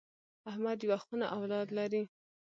احمد یوه خونه اولاد لري.